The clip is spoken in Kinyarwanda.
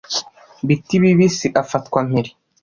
bitibibisi afatwa mpiri